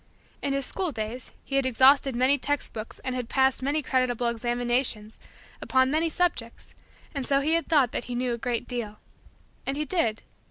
In his school days, he had exhausted many text books and had passed many creditable examinations upon many subjects and so he had thought that he knew a great deal. And he did.